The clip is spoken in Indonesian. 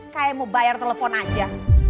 kayak mau bayar telepon aja